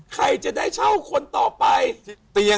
ใครจะได้เช่าคนต่อไป